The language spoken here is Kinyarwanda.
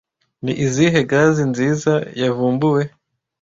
Ni izihe gazi nziza yavumbuwe